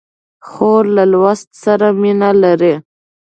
خور له لوست سره مینه لري.